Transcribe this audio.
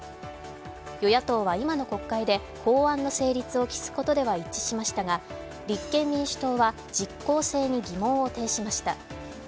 与野党は今の国会で法案の成立を期すことでは一致しましたが、立憲民主党は実効性に疑問をていしました。